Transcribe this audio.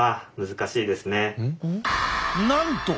なんと！